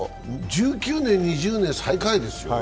１９年、２０年、最下位ですよ。